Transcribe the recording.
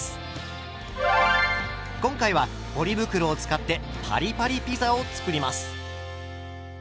今回はポリ袋を使ってパリパリピザを作ります。